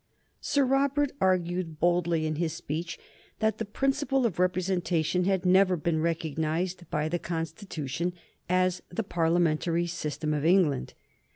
Sir Robert argued boldly in his speech that the principle of representation had never been recognized by the Constitution as the Parliamentary system of England.